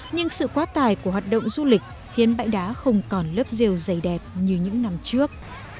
nhưng sự quá tải của hoạt động du lịch khiến bãi đá không còn lớp rêu dày đẹp như những năm trước